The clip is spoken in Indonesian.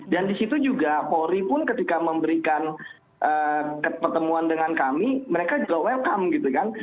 di situ juga polri pun ketika memberikan pertemuan dengan kami mereka juga welcome gitu kan